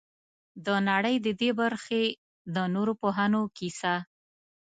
د نړۍ د دې برخې د نورو پوهانو کیسه.